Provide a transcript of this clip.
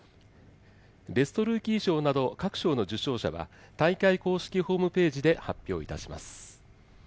ベストルーキー賞など各賞の受賞者は、大会公式ホームページで発表いたします。